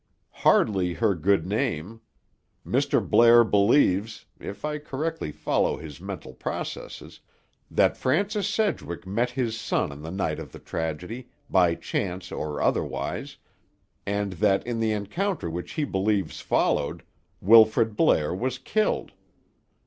"Hardly her good name. Mr. Blair believes—if I correctly follow his mental processes—that Francis Sedgwick met his son on the night of the tragedy, by chance or otherwise, and that in the encounter which he believes followed, Wilfrid Blair was killed.